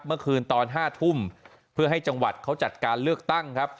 เมื่อคืนตอน๕ทุ่มเพื่อให้จังหวัดเขาจัดการเลือกตั้งครับ